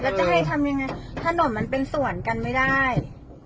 แล้วจะให้ทำยังไงถนนมันเป็นส่วนกันไม่ได้